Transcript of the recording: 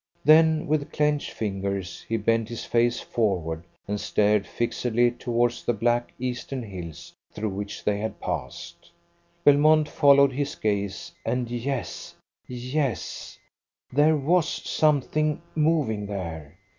Then, with clenched fingers, he bent his face forward and stared fixedly towards the black eastern hills through which they had passed. Belmont followed his gaze, and, yes yes there was something moving there!